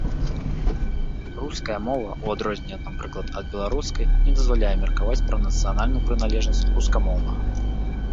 Руская мова, у адрозненне, напрыклад, ад беларускай, не дазваляе меркаваць пра нацыянальную прыналежнасць рускамоўнага.